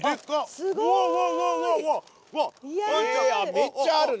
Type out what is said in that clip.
めっちゃあるね。